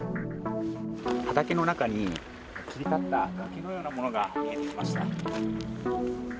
畑の中に、切り立った崖のようなものが見えてきました。